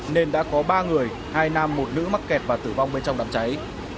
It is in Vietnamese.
nên đã có ba người hai nam một nữ mắc kẹt và tử vong bên trong đám cháy